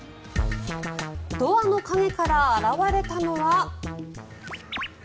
ドアの陰から現れたのは。